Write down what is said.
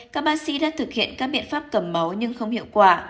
các bác sĩ đã thực hiện các biện pháp cầm máu nhưng không hiệu quả